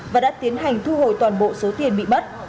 và đã tiến hành thu hồi toàn bộ số tiền bị bắt